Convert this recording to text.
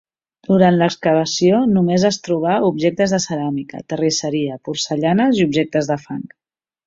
Durant l'excavació, només es trobà objectes de ceràmica, terrisseria, porcellanes i objectes de fang.